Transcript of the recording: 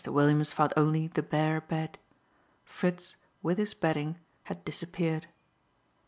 Williams found only the bare bed. Fritz, with his bedding, had disappeared.